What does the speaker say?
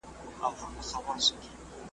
خوند بیا په هغې ازادي کې ما لیدلی نه دی